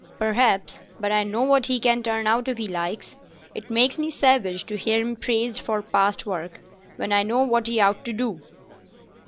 "Perhaps, but I know what he can turn out if he likes. It makes me savage to hear him praised for past work when I know what he ought to do.